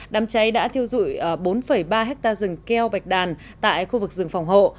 đám cháy đã thiêu dụi bốn ba ha rừng keo bạch đàn tại khu vực rừng phòng hộ